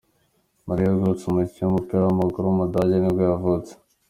Mario Götze, umukinnyi w’umupira w’amaguru w’umudage nibwo yavutse.